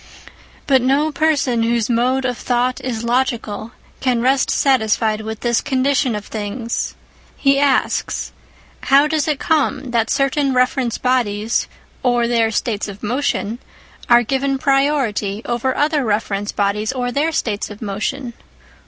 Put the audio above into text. But no person whose mode of thought is logical can rest satisfied with this condition of things. He asks :" How does it come that certain reference bodies (or their states of motion) are given priority over other reference bodies (or their states of motion)